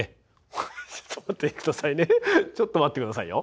これちょっと待って下さいね。